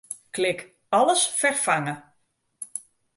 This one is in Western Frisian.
Klik Alles ferfange.